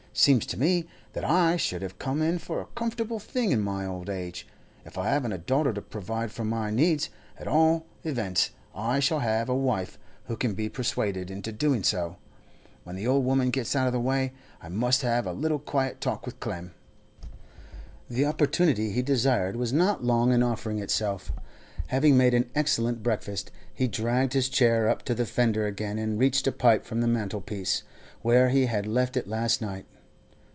Seems to me that I should have come in for a comfortable thing in my old age; if I haven't a daughter to provide for my needs, at all events I shall have a wife who can be persuaded into doing so. When the old woman gets out of the way I must have a little quiet talk with Clem.' The opportunity he desired was not long in offering itself. Having made an excellent breakfast, he dragged his chair up to the fender again, and reached a pipe from the mantel piece, where he had left it last night.